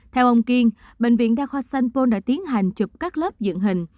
theo ông kiên bệnh viện đa khoa sanpôn đã tiến hành chụp các lớp dựng hình